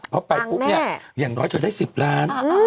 อย่างน้อยจะได้๑๐ล้าน